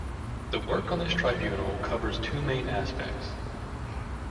The work of this tribunal covers two main aspects.